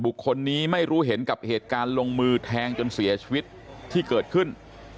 คนนี้ไม่รู้เห็นกับเหตุการณ์ลงมือแทงจนเสียชีวิตที่เกิดขึ้น